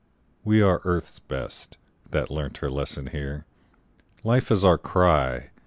"We are Earth's best, that learnt her lesson here. Life is our cry.